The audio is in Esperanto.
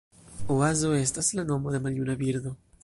Oazo estas la nomo de maljuna birdo.